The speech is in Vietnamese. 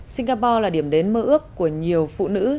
singapore là điểm đến mơ ước của nhiều phụ nữ